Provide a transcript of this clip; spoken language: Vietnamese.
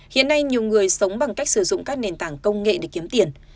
hiện nay nhiều người sống bằng cách sử dụng các nền tảng công nghệ để kiếm tiền